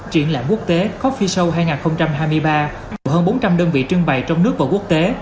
triển lãm quốc tế coffee show hai nghìn hai mươi ba của hơn bốn trăm linh đơn vị trưng bày trong nước và quốc tế